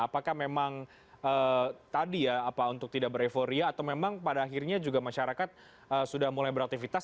apakah memang tadi ya apa untuk tidak bereuforia atau memang pada akhirnya juga masyarakat sudah mulai beraktivitas